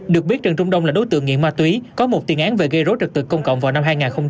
được biết trần trung đông là đối tượng nghiện ma túy có một tiền án về gây rối trật tự công cộng vào năm hai nghìn một mươi ba